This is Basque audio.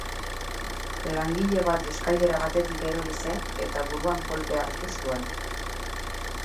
Langile bat eskailera batetik behera erori zen eta buruan kolpea hartu zuen.